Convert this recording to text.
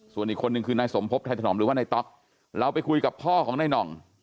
ส่วนอีกคนนึงคือนายสมพบไทยถนอมหรือว่านายต๊อกเราไปคุยกับพ่อของนายหน่อง